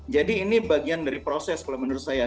jadi ini bagian dari proses kalau menurut saya